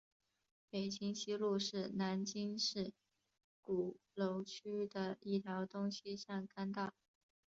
北京西路是南京市鼓楼区的一条东西向干道。